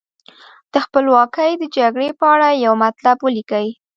د خپلواکۍ د جګړې په اړه یو مطلب ولیکئ.